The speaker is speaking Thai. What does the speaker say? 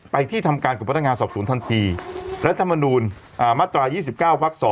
ไปที่ทำการกฎพันธ์งานสอบศูนย์ทันตีและทำมานูลมาตรา๒๙วัก๒